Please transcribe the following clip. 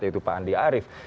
yaitu pak andi arief